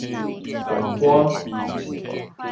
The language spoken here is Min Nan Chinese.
複歌